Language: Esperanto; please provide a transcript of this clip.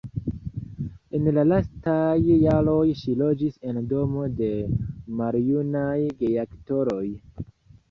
En la lastaj jaroj ŝi loĝis en domo de maljunaj geaktoroj.